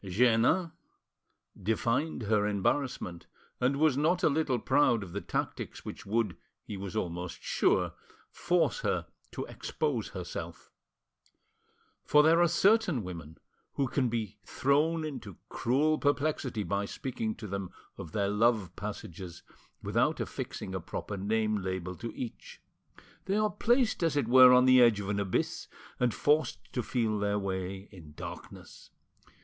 Jeannin divined her embarrassment, and was not a little proud of the tactics which would, he was almost sure; force her to expose herself. For there are certain women who can be thrown into cruel perplexity by speaking to them of their love passages without affixing a proper name label to each. They are placed as it were on the edge of an abyss, and forced to feel their way in darkness.